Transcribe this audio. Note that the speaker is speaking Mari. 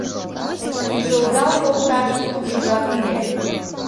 Чучылдал колташ лупшыжат уке.